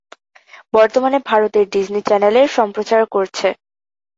বর্তমানে ভারতের Disney channel এর সম্প্রচার করছে।